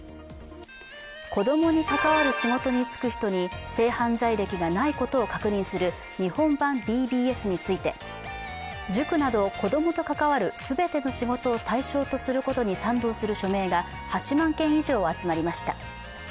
子供に関わる仕事に就く人に性犯罪歴がないことを確認する日本版ＤＢＳについて、塾など子供と関わる全ての仕事を対象とすることに賛同する署名が８万件以上集まりました。